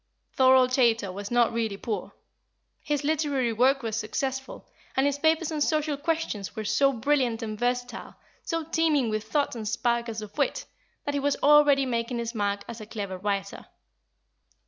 Thorold Chaytor was not really poor; his literary work was successful, and his papers on social questions were so brilliant and versatile, so teeming with thought and sparkles of wit, that he was already making his mark as a clever writer.